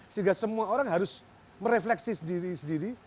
sehingga semua orang harus merefleksi sendiri sendiri